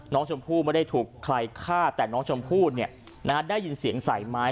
น้องชมพูดไม่ได้ถูกใครฆ่าแต่น้องชมพูดเนี่ยนะฮะได้ยินเสียงสายไม้